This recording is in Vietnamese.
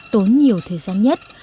tốn nhiều thời gian nhất